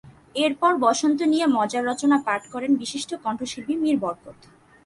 এরপর বসন্ত নিয়ে মজার রচনা পাঠ করেন বিশিষ্ট কণ্ঠশিল্পী মীর বরকত।